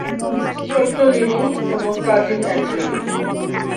ছোট্ট লিনি এবং cousin Andrew.